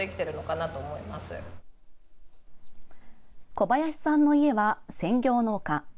小林さんの家は専業農家。